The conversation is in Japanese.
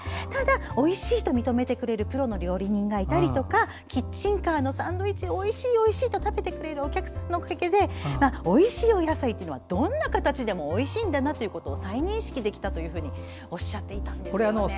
ただ、おいしいと認めてくれるプロの料理人がいたりとかキッチンカーのサンドイッチをおいしいと食べてくれるお客さんのおかげでおいしいお野菜はどんな形でもおいしいんだなと再認識できたというふうにおっしゃっていたんですね。